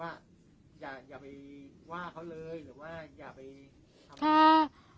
ว่าอย่าไปว่าเขาเลยหรืือว่าอย่าไป